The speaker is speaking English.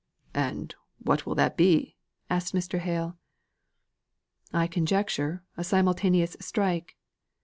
"And what will that be?" asked Mr. Hale. "I conjecture a simultaneous strike.